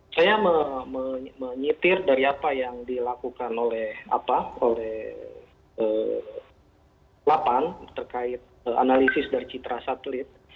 saya menyetir dari apa yang dilakukan oleh lapan terkait analisis dari citra satelit